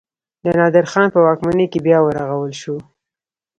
د نادر خان په واکمنۍ کې بیا ورغول شو.